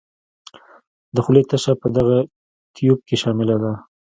د خولې تشه په دغه تیوپ کې شامله ده.